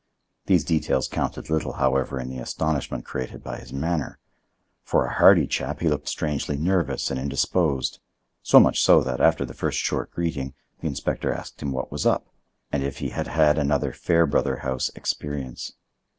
These details counted little, however, in the astonishment created by his manner. For a hardy chap he looked strangely nervous and indisposed, so much so that, after the first short greeting, the inspector asked him what was up, and if he had had another Fairbrother house experience.